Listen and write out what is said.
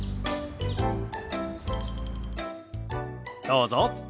どうぞ。